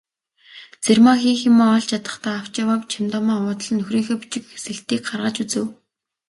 Цэрмаа хийх юмаа олж ядахдаа авч яваа чемоданаа уудлан нөхрийнхөө бичиг сэлтийг гаргаж үзэв.